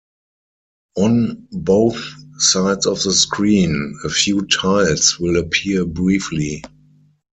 On both sides of the screen, a few tiles will appear briefly.